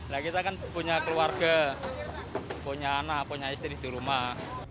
nah kita kan punya keluarga punya anak punya istri di rumah